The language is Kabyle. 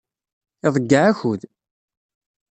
Iḍeyyeɛ akud.